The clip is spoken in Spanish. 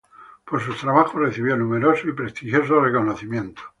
Por sus trabajos recibió numerosos y prestigiosos reconocimientos.